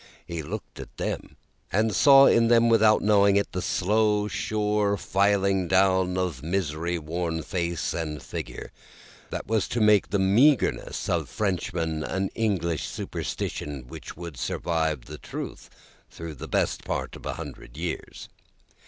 He looked at them, and saw in them, without knowing it, the slow sure filing down of misery worn face and figure, that was to make the meagreness of Frenchmen an English superstition which should survive the truth through the best part of a hundred years.